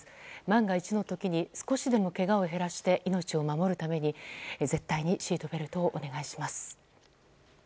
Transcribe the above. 万が一の時に少しでもけがを減らして命を守るために絶対にシートベルトをお願いします。